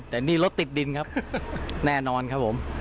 แต่นี่รถติดดินครับแน่นอนครับผม